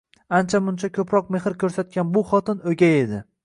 ancha-muncha ko'proq mehr ko'rsatgan bu xotin o'gay edi.